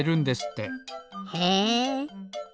へえ。